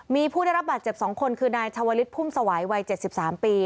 มีผู้ได้รับบาดเจ็บ๒คนคือนายชาวลิศพุ่มสวัยวัย๗๓ปี